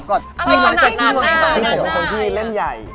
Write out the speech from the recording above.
ผมเป็นคนที่เล่นใหญ่